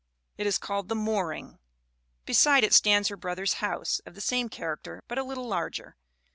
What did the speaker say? It is called The Mooring. Beside it stands her brother's house, of the same character but a little larger.